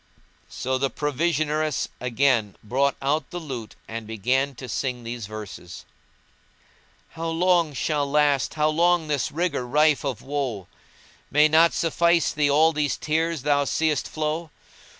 So the provisioneress again brought out the lute and began to sing these verses:— "How long shall last, how long this rigour rife of woe * May not suffice thee all these tears thou seest flow?